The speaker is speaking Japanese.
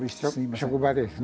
職場ですね。